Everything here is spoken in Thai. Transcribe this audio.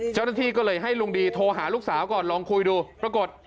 เจ้าหน้าที่ก็เลยให้ลุงดีโทรหาลูกสาวก่อนลองคุยดูปรากฏ